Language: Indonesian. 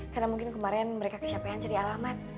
karena mungkin kemarin mereka kesiap kesiapan cari alamat